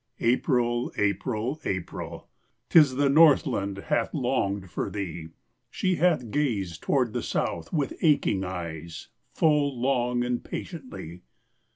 April! April! April! 'Tis the Northland hath longed for thee, She hath gazed toward the South with aching eyes Full long and patiently.